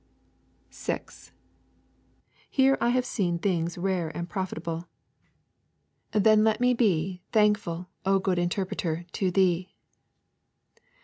6. 'Here have I seen things rare and profitable, ... Then let me be Thankful, O good Interpreter, to thee.'